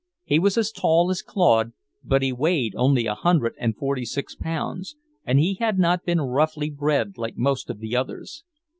He was as tall as Claude, but he weighed only a hundred and forty six pounds, and he had not been roughly bred like most of the others.